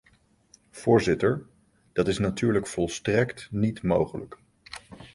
Voorzitter, dat is natuurlijk volstrekt niet mogelijk.